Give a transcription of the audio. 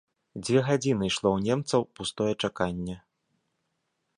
Дзве гадзіны ішло ў немцаў пустое чаканне.